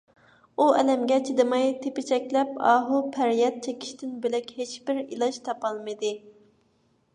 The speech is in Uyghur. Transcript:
ئۇ ئەلەمگە چىدىماي تېپچەكلەپ ئاھۇپەرياد چېكىشتىن بۆلەك ھېچبىر ئىلاج تاپالمىدى.